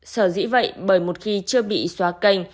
sở dĩ vậy bởi một khi chưa bị xóa canh